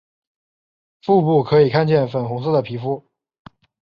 腹部可以看见粉红色的皮肤。